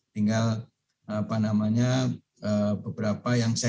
tinggal apa namanya beberapa yang saya